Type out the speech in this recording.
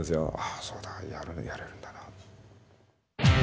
「ああそうだやれるんだな」。